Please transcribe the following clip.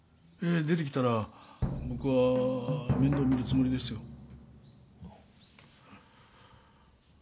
出てきたら僕は面倒見るつもりですよ。